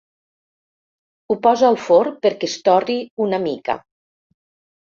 Ho posa al forn perquè es torri una mica.